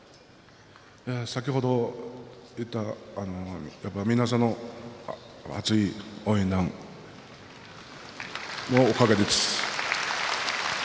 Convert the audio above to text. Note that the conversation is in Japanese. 先ほど言ったやっぱり皆さんの熱い応援団のおかげです。